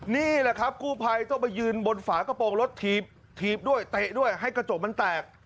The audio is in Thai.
นี่แหละครับกู้ภัยต้องไปยืนบนฝากระโปรงรถถีบด้วยเตะด้วยให้กระจกมันแตก